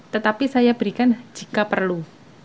tetapi saya berikan jika perlu